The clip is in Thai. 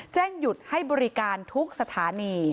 หยุดให้บริการทุกสถานี